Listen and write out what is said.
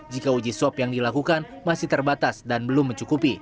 jika uji swab yang dilakukan masih terbatas dan belum mencukupi